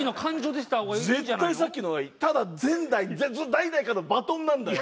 ただ前代代々からのバトンなんだよ。